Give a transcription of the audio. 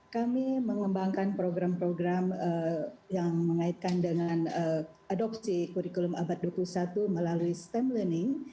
kami mengembangkan program program yang mengaitkan dengan adopsi kurikulum abad dua puluh satu melalui stem learning